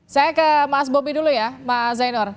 saya ke mas bobi dulu ya mas zainur